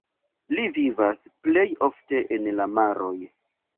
Ili vivas plej ofte en la maroj.